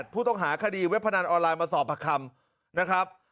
ผู้ต้องหาคดีเว็บพนันออนไลน์มาสอบประคำนะครับ